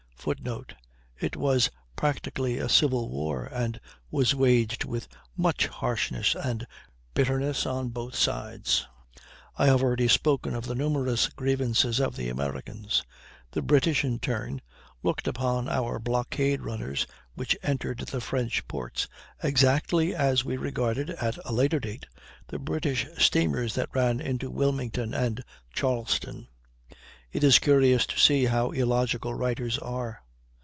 [Footnote: It was practically a civil war, and was waged with much harshness and bitterness on both sides. I have already spoken of the numerous grievances of the Americans; the British, in turn, looked upon our blockade runners which entered the French ports exactly as we regarded, at a later date, the British steamers that ran into Wilmington and Charleston. It is curious to see how illogical writers are.